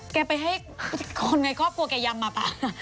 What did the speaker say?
แกไปให้คนในครอบครัวแกยำมาป่ะ